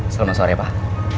selamat sore pak